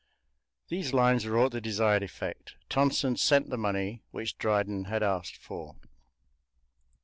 These lines wrought the desired effect: Tonson sent the money which Dryden had asked for.